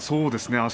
そうですね。